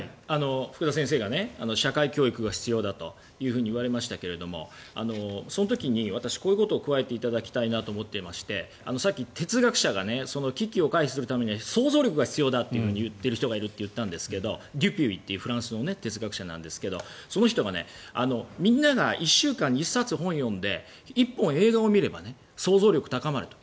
福田先生が社会教育が必要だと言われましたけどその時に私、こういうことを加えていただきたいなと思っていましてさっき哲学者が危機を回避するためには想像力が必要だって言っている人がいると言ったんですがデュピュイというフランスの哲学者なんですがその人がみんなが１週間に１冊の本を読んで１本映画を見れば想像力が高まると。